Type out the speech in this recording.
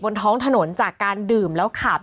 บนท้องถนนจากการดื่มแล้วขับ